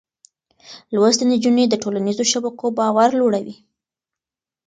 لوستې نجونې د ټولنيزو شبکو باور لوړوي.